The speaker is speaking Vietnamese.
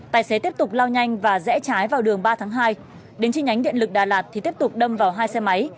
tài xế tiếp tục lao nhanh và rẽ trái vào đường ba tháng hai đến chi nhánh điện lực đà lạt thì tiếp tục đâm vào hai xe máy